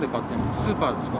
スーパーですか？